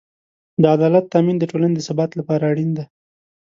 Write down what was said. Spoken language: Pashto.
د عدالت تأمین د ټولنې د ثبات لپاره اړین دی.